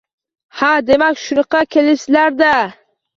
Ha, demak, shunga kelibsizlar-da